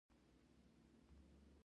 شېخ متي د عباس زوی دﺉ.